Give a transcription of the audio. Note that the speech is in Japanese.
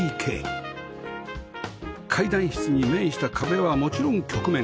階段室に面した壁はもちろん曲面